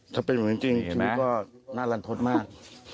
ถ้าเป็นเหมือนจริงไหมก็น่ารันทดมาก